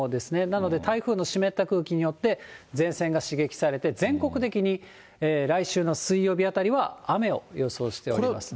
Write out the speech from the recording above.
なので台風の湿った空気によって前線が刺激されて、全国的に来週の水曜日あたりは雨を予想しております。